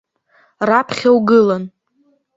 Раԥхьа угылан.